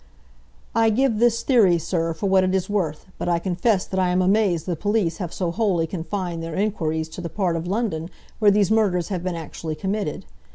"I give this theory, Sir, for what it is worth, but I confess that I am amazed the police have so wholly confined their inquiries to the part of London where these murders have been actually committed.